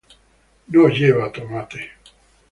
No lleva tomate.